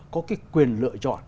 có cái quyền lựa chọn